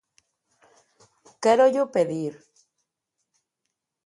Quérollo pedir.